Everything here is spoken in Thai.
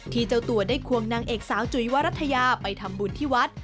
เจ้าตัวได้ควงนางเอกสาวจุ๋ยวรัฐยาไปทำบุญที่วัด